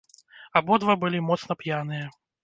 Абодва былі моцна п'яныя.